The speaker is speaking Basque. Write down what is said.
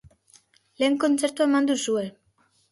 Lehen kontzertua eman duzue.